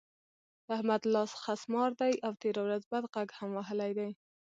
د احمد لاس خسمار دی؛ او تېره ورځ بد غږ هم وهلی دی.